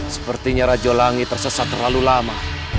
sepertinya rajo langit tersesat terlalu lama